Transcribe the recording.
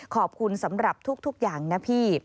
ขอบคุณสำหรับทุกอย่างนะพี่